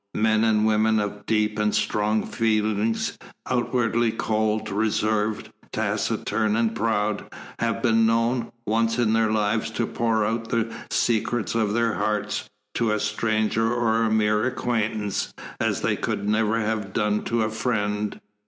Men and women of deep and strong feedings, outwardly cold, reserved, taciturn and proud, have been known, once in their lives, to pour out the secrets of their hearts to a stranger or a mere acquaintance, as they could never have done to a friend.